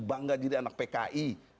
bangga jadi anak pki